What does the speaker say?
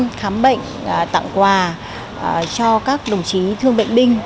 tổ chức các hoạt động hết sức ý nghĩa thăm khám bệnh tặng quà cho các đồng chí thương bệnh binh